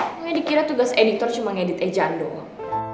pokoknya dikira tugas editor cuma ngedit ejaan doang